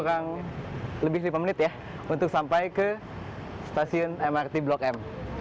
kurang lebih lima menit ya untuk sampai ke stasiun mrt blok m